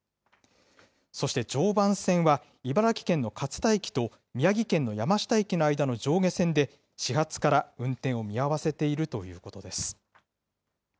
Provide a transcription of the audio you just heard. そして常磐線は、茨城県の勝田駅と宮城県の山下駅の間の上下線で始発から運転を見合わせているということです。